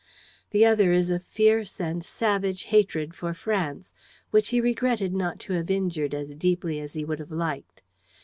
The other is a fierce and savage hatred for France, which he regretted not to have injured as deeply as he would have liked.